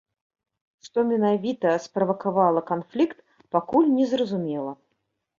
Што менавіта справакавала канфлікт, пакуль незразумела.